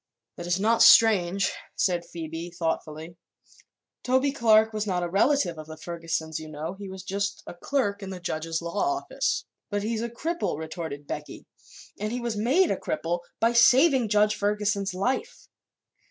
"That is not strange," said Phoebe, thoughtfully. "Toby Clark was not a relative of the Fergusons, you know; he was just a clerk in the judge's law office." "But he's a cripple," retorted Becky, "and he was made a cripple by saving Judge Ferguson's life."